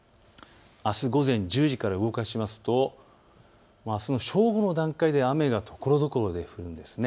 あす午前１０時から動かすとあすの正午の段階で雨がところどころで降るんです。